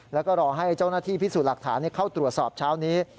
แล้วก็รอให้เจ้าหน้าที่พิสูจน์หลักฐานเข้าตรวจสอบเช้านี้